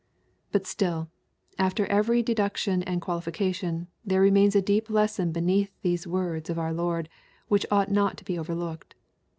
But still, after every deduction and qualification, there remains a deep lesson beneath these words of our Lord, which ought not to be overlooked.